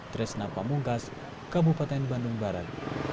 tresna pamungkas kabupaten bandung barat